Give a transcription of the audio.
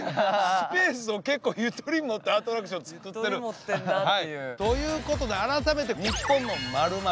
スペースを結構ゆとり持ったアトラクション作ってる。ということで改めて「ニッポンの○○をシロウ」。